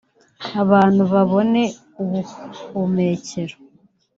abantu babone ubuhumekero